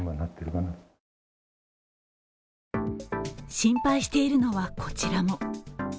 心配しているのは、こちらも。